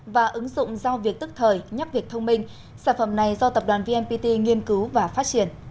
và ứng dụng giao việc tức thời nhắc việc thông minh sản phẩm này do tập đoàn vnpt nghiên cứu và phát triển